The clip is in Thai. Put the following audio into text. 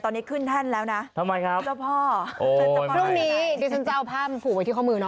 มันเลข๓ก็มีแล้วแต่คนจะมอง